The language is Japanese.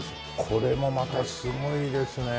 これもまたすごいですね。